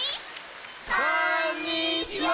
こんにちは！